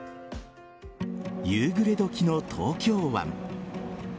夕暮れどきの東京湾。